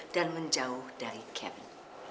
dan menjauh dari kevin